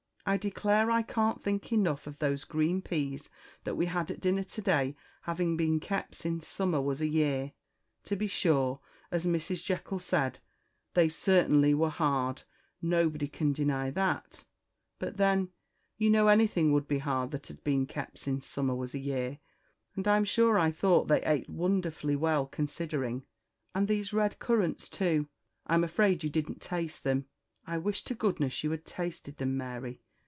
I declare I can't think enough of these green peas that we had at dinner today having been kept since summer was a year. To be sure, as Mrs. Jekyll said, they certainly were hard nobody can deny that but then, you know, anything would be hard that had been kept since summer was a year; and I'm sure I thought they ate wonderfully well considering and these red currants, too I'm afraid you didn't taste them I wish to goodness you had tasted them, Mary.